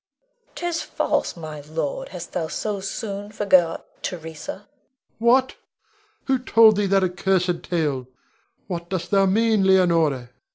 'Tis false, my lord! Hast thou so soon forgot Theresa? Rod. What! Who told thee that accursed tale? What dost thou mean, Leonore?